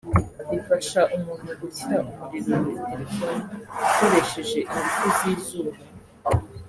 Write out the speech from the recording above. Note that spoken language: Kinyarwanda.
rifasha umuntu gushyira umuriro muri telefoni akoresheje ingufu z’izuba